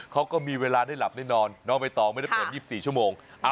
เขาก็มีเวลาได้หลับได้นอนน้องใบตองไม่ได้เปิด๒๔ชั่วโมง